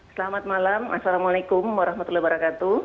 selamat malam assalamualaikum warahmatullahi wabarakatuh